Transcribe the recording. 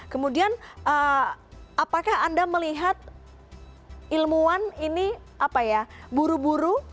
kemudian apakah anda melihat ilmuwan ini buru buru